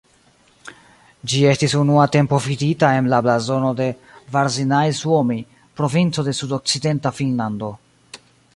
Ĝi estis unua tempo vidita en la blazono de Varsinais-Suomi, provinco en sudokcidenta Finnlando.